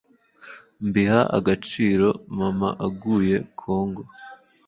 mbiha agaciro mama aguye congo,